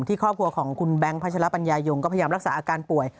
ครอบครัวของคุณแบงค์พัชรปัญญายงก็พยายามรักษาอาการป่วย